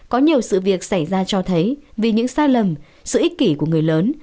có nhiều sự việc xảy ra cho thấy vì những sai lầm sự ích kỷ của người lớn